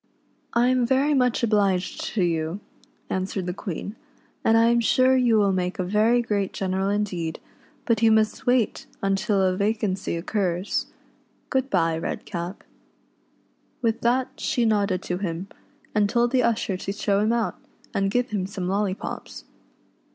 " I am very much obliged to you," answered the Queen, "and I am sure you will make a very great general indeed, but you must wait till a vacancy occurs. Good bye, Redcap." With that she nodded to him, and told the usher to show him out, and give him some lollypops.